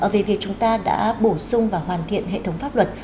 về việc chúng ta đã bổ sung và hoàn thiện hệ thống pháp luật